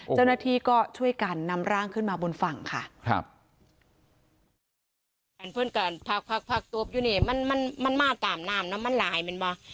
เจ้าหน้าที่ก็ช่วยกันนำร่างขึ้นมาบนฝั่งค่ะ